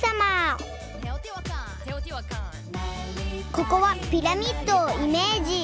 ここはピラミッドをイメージ。